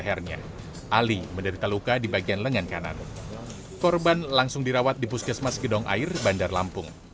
saya sendiri yang lepaskan pisaunya yang sudah batah di dalam